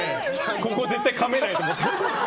ここ、絶対にかめないと思って。